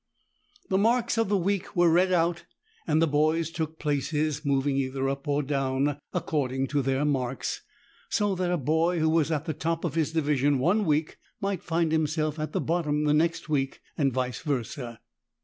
The marks of the week were read out and the boys took places, moving either up or down according to their marks; so that a boy who was at the top of his division one week might find himself at the bottom the next week, and vice versa.